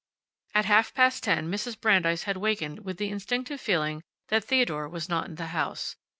At half past ten Mrs. Brandeis had wakened with the instinctive feeling that Theodore was not in the house.